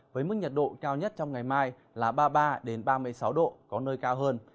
với mức nhiệt độ cao nhất trong ngày mai là ba mươi ba ba mươi sáu độ có nơi cao hơn